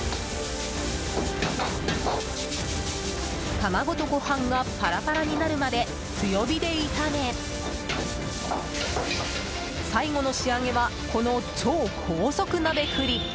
卵とご飯がパラパラになるまで強火で炒め最後の仕上げはこの超高速鍋振り！